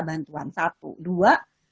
bantuan satu dua